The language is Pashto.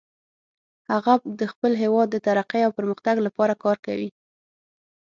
هغه د خپل هیواد د ترقۍ او پرمختګ لپاره کار کوي